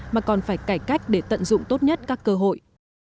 mà còn phải cải cách để tận dụng tốt nhất các cơ hội